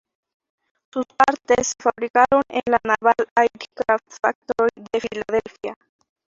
Sus partes se fabricaron en la "Naval Aircraft Factory" de Filadelfia.